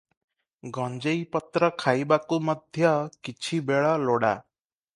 ଗଞ୍ଜେଇ ପତ୍ର ଖାଇବାକୁ ମଧ୍ୟ କିଛି ବେଳ ଲୋଡ଼ା ।